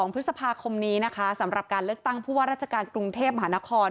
พฤษภาคมนี้นะคะสำหรับการเลือกตั้งผู้ว่าราชการกรุงเทพมหานคร